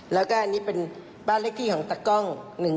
แล้วก็อันนี้เป็นบ้านเลขที่ของตะกล้อง๑๒